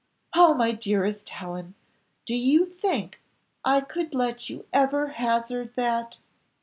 "Oh, my dearest Helen! do you think I could let you ever hazard that?